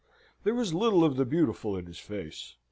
There was little of the beautiful in his face.